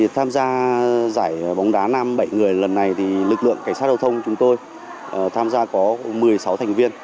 tham gia giải bóng đá nam bảy người lần này thì lực lượng cảnh sát giao thông chúng tôi tham gia có một mươi sáu thành viên